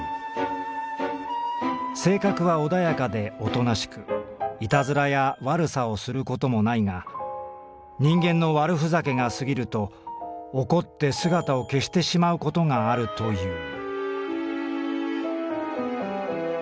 性格は穏やかで大人しくいたずらや悪さをすることもないが人間の悪ふざけが過ぎると怒って姿を消してしまうことがあるという」。